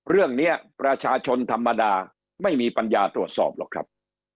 เรื่องนี้ประชาชนธรรมดาไม่มีปัญญาตรวจสอบหรอกครับ